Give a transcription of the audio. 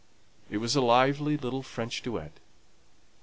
It was a little lively French duet.